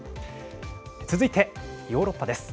続いて、ヨーロッパです。